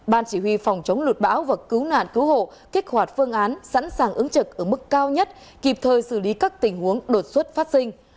ban chỉ huy phòng chống lụt bão và cứu nạn cứu hộ kích hoạt phương án sẵn sàng ứng trực ở mức cao nhất kịp thời xử lý các tình huống đột xuất phát sinh